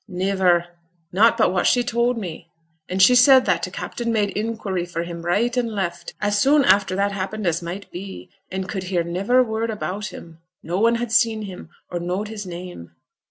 'Niver; nought but what she told me. And she said that t' captain made inquiry for him right and left, as soon after that happened as might be, and could hear niver a word about him. No one had seen him, or knowed his name.'